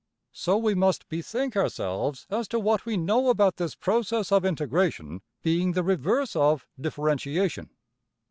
So we must bethink ourselves as to what we know about this process of integration being the reverse of differentiation.